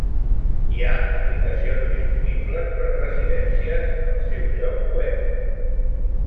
Hi ha aplicacions disponibles per a Residències al seu lloc web.